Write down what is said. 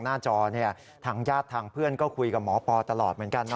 หน้าจอเนี่ยทางญาติทางเพื่อนก็คุยกับหมอปอตลอดเหมือนกันนะ